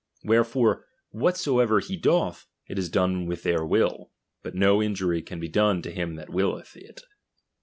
Wherefore, whatsoever he doth, it is done with their will ; bat no injury can be done to him that willeth it.